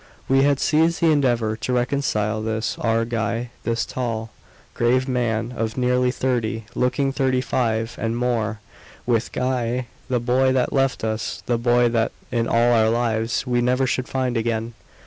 We had ceased the endeavour to reconcile this our Guy this tall, grave man of nearly thirty, looking thirty five and more with Guy, the boy that left us, the boy that in all our lives we never should find again.